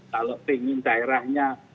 kalau ingin daerahnya